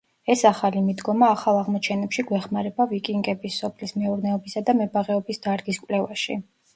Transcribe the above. ეს ახალი მიდგომა ახალ აღმოჩენებში გვეხმარება ვიკინგების სოფლის მეურნეობისა და მებაღეობის დარგის კვლევაში.